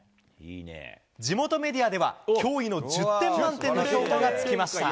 地元メディアでは、驚異の１０点満点の評価がつきました。